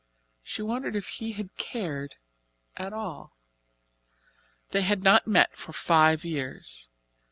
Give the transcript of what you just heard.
She wondered if he had cared at all. They had not met for five years.